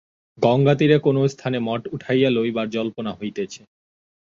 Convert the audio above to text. গঙ্গাতীরে কোন স্থানে মঠ উঠাইয়া লইবার জল্পনা হইতেছে।